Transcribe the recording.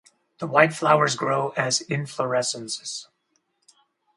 The white flowers grow as inflorescences.